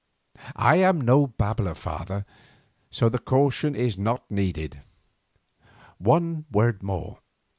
"I am no babbler, father, so the caution is not needed. One word more.